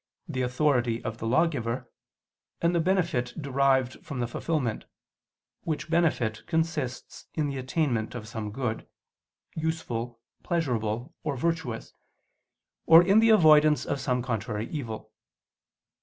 the authority of the lawgiver, and the benefit derived from the fulfilment, which benefit consists in the attainment of some good, useful, pleasurable or virtuous, or in the avoidance of some contrary evil.